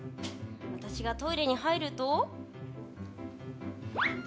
私がトイレに入ると。